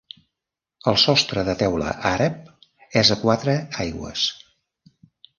El sostre de teula àrab és a quatre aigües.